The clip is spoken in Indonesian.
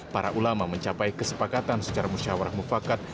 para ulama mencapai kesepakatan secara musyawarah mufakat